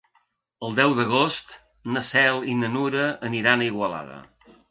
El deu d'agost na Cel i na Nura aniran a Igualada.